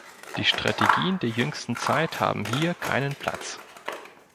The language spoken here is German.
Die Strategien der jüngsten Zeit haben hier keinen Platz.